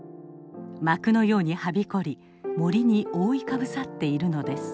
幕のようにはびこり森に覆いかぶさっているのです。